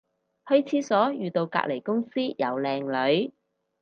去廁所遇到隔離公司有靚女